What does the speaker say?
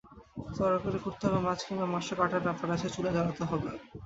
তরকারি কুটতে হবে, মাছ কিংবা মাংস কাটার ব্যাপার আছে, চুলা জ্বালাতে হবে।